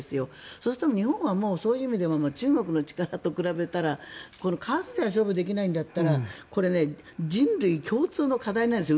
そうすると日本はそういう意味では中国の力と比べたら数では勝負できないんだったら人類共通の課題なんですよ